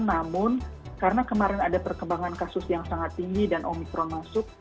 namun karena kemarin ada perkembangan kasus yang sangat tinggi dan omikron masuk